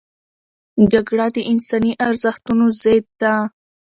جګړه د انساني ارزښتونو ضد ده